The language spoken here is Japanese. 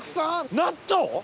納豆？